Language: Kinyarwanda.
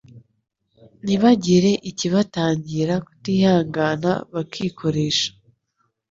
ntibagire ikibatangira kutihangana bakikoresha